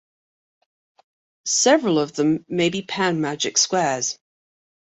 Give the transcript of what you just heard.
Several of them may be panmagic squares.